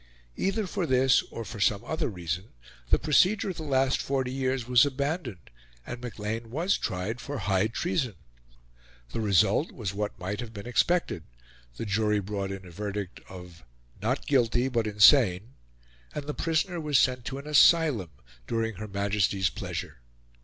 Either for this or for some other reason the procedure of the last forty years was abandoned, and Maclean was tried for high treason. The result was what might have been expected: the jury brought in a verdict of "not guilty, but insane"; and the prisoner was sent to an asylum during Her Majesty's pleasure.